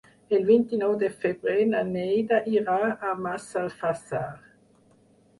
El vint-i-nou de febrer na Neida irà a Massalfassar.